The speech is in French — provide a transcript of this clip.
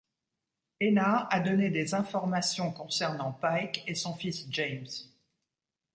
Ena a donné des informations concernant Pike et son fils James.